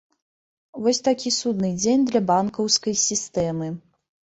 Вось такі судны дзень для банкаўскай сістэмы.